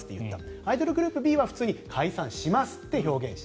アイドルグループＢは普通に解散しますと表現した。